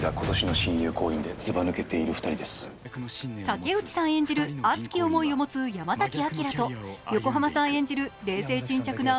竹内さん演じる熱き思いを持つ山崎瑛と横浜さん演じる、冷静沈着な